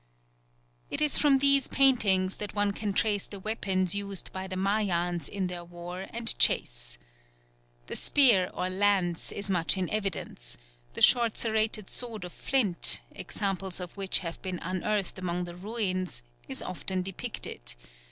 It is from these paintings that one can trace the weapons used by the Mayans in the war and chase. The spear or lance is much in evidence; the short serrated sword of flint, examples of which have been unearthed among the ruins, is often depicted.